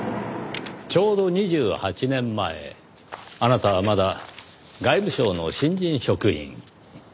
ちょうど２８年前あなたはまだ外務省の新人職員。